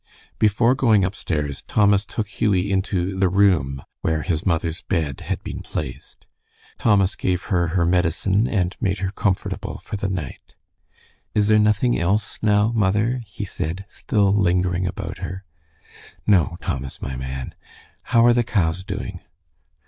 Before going upstairs, Thomas took Hughie into "the room" where his mother's bed had been placed. Thomas gave her her medicine and made her comfortable for the night. "Is there nothing else now, mother?" he said, still lingering about her. "No, Thomas, my man. How are the cows doing?"